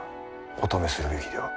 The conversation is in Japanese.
お止めするべきでは？